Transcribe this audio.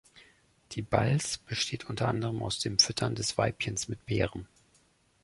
Die Balz besteht unter anderem aus dem Füttern des Weibchens mit Beeren.